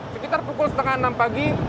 sekitar pukul setengah enam pagi